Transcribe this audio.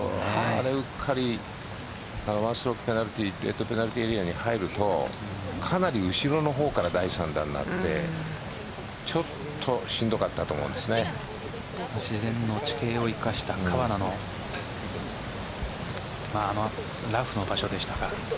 あれをうっかり１ストロークペナルティーでペナルティーエリアに入るとかなり後ろのほうから第３打になるのでちょっとしんどかったと自然の地形を生かした川奈のラフの場所でした。